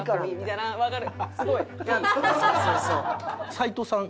齊藤さん